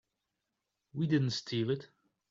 We didn't steal it.